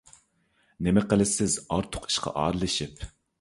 نېمە قىلىسىز ئارتۇق ئىشقا ئارىلىشىپ؟